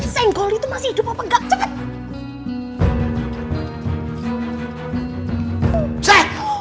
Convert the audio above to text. cco efterperusian itu masih hidup apa engga cepet